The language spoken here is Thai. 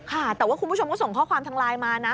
ค่ะแต่ว่าคุณผู้ชมก็ส่งข้อความทางไลน์มานะ